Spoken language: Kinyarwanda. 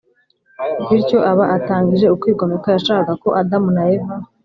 Bityo aba atangije ukwigomeka yashakaga ko adamu na eva